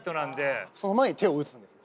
その前に手を打つんですね？